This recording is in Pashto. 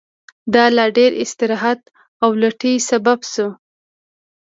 د لا ډېر استراحت او لټۍ سبب شو.